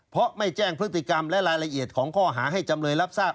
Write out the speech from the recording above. เพราะไม่แจ้งพฤติกรรมและรายละเอียดของข้อหาให้จำเลยรับทราบ